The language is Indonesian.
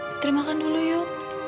putri makan dulu yuk